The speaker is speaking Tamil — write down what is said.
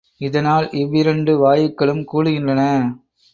இதனால் இவ்விரண்டு வாயுக்களும் கூடுகின்றன.